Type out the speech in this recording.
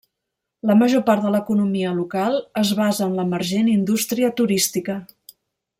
La major part de l'economia local es basa en l'emergent indústria turística.